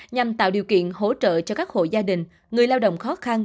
nhằm tạo điều kiện hỗ trợ cho các hộ gia đình người lao động khó khăn